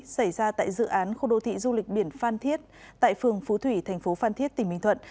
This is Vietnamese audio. xảy ra tại dự án khu đô thị du lịch biển phan thiết tại phường phú thủy thành phố phan thiết tỉnh bình thuận